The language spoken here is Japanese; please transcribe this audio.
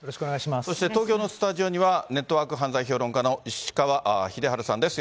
そして東京のスタジオには、ネットワーク犯罪評論家の石川英治さんです。